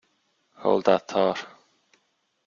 Hold that thought.